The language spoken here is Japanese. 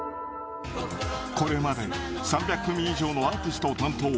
これまで３００組以上のアーティストを担当。